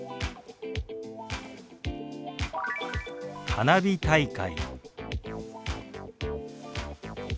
「花火大会」。